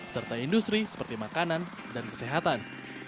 serta industri seperti makanan dan kesehatan